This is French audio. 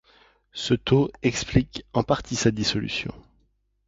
Ce taux explique en partie sa dissolution.